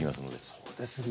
そうですね。